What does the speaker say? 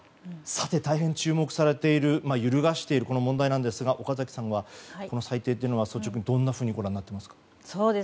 さて、大変注目されている揺るがしているこの問題なんですが岡崎さんはこの裁定というのは率直にどんなふうにご覧になっていますか？